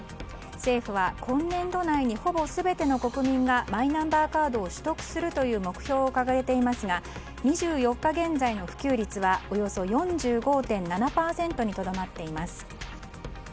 政府は今年度内にほぼ全ての国民がマイナンバーカードを取得するという目標を掲げていますが２４日現在の普及率はおよそ４５．７％にとどまっています。